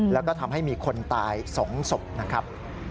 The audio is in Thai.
แล้วก็ทำให้มีคนตาย๒ศพนะครับ